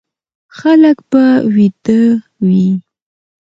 خلک به ويده وي،